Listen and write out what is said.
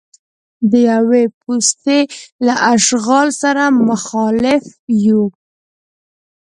د یوې پوستې له اشغال سره مخالف یو.